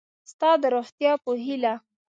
ستا د روغتیا په هیله